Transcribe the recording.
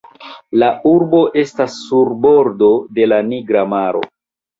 La urbo estas sur bordo de la Nigra maro.